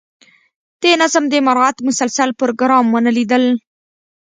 د نظم د مراعات مسلسل پروګرام ونه لیدل.